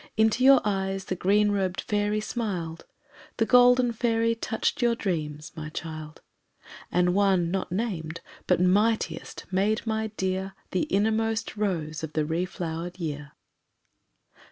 Into your eyes the green robed fairy smiled; The golden fairy touched your dreams, my child, And one, not named, but mightiest, made my Dear The innermost rose of the re flowered year.